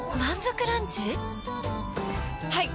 はい！